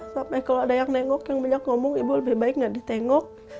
sampai kalau ada yang nengok yang banyak ngomong ibu lebih baik nggak ditengok